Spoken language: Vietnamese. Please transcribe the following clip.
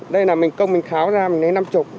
đây là mình công mình kháo ra mình lấy năm mươi